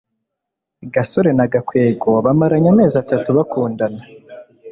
gasore na gakwego bamaranye amezi atatu bakundana